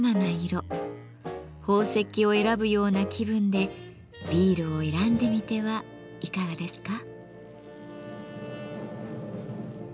宝石を選ぶような気分でビールを選んでみてはいかがですか？